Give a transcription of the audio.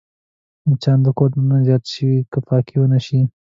مچان د کور دننه زیات شي که پاکي ونه شي